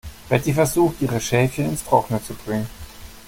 Betty versucht, ihre Schäfchen ins Trockene zu bringen.